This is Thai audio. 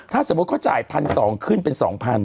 ถ้าสมมุติเขาจ่าย๑๒๐๐ขึ้นเป็น๒๐๐